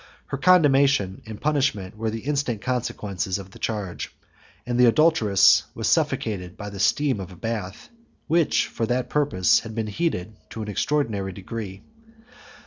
23 Her condemnation and punishment were the instant consequences of the charge; and the adulteress was suffocated by the steam of a bath, which, for that purpose, had been heated to an extraordinary degree.